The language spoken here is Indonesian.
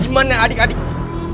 di mana adik adikku